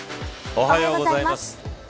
おはようございます。